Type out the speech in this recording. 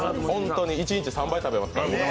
一日３杯食べますから。